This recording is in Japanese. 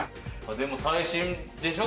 でも最新でしょ？